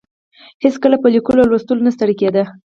هېڅکله په لیکلو او لوستلو نه ستړې کیده.